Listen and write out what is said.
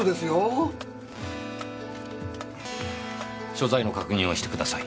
所在の確認をしてください。